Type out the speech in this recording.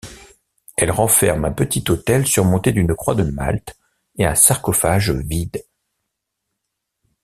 Elle renferme un petit autel surmonté d’une croix de Malte et un sarcophage vide.